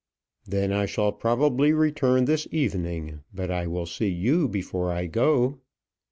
"Then I shall probably return this evening; but I will see you before I go."